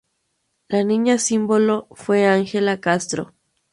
La niña símbolo fue Ángela Castro.